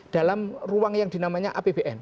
dalam ruang yang dinamanya apbn